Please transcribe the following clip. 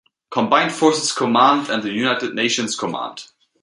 Combined Forces Command, and the United Nations Command.